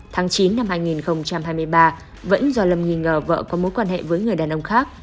tháng chín năm hai nghìn hai mươi ba vẫn do lâm nghi ngờ vợ có mối quan hệ với người đàn ông khác